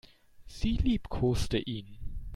Sie liebkoste ihn.